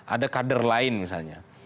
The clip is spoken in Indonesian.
ada kader lain misalnya